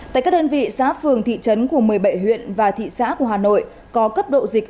tại các đơn vị xã phường thị trấn của một mươi bảy huyện và thị xã của hà nội có cấp độ dịch